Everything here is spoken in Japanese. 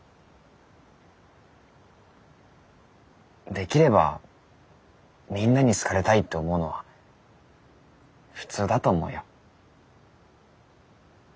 できればみんなに好かれたいって思うのは普通だと思うよ。